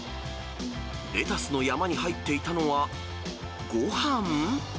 レタスの山に入っていたのは、ごはん？